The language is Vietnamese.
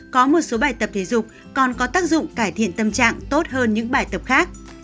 có một số bài tập thể dục còn có tác dụng cải thiện tâm trạng tốt hơn những bài tập khác